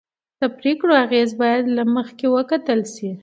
د پرېکړو اغېز باید له مخکې وکتل شي